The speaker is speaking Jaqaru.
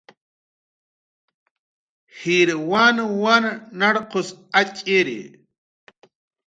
Jir wanwan narqus atx'iri